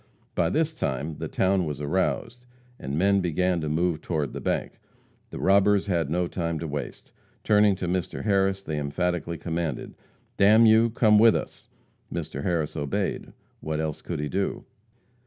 By this time the town was aroused, and men began to move toward the bank. The robbers had no time to waste. Turning to Mr. Harris, they emphatically commanded: "D n you, come with us!" Mr. Harris obeyed. What else could he do?